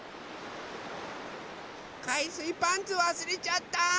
かいすいパンツわすれちゃった。